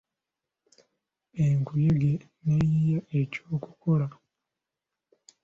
Enkuyege ne yiiya eky'okukola.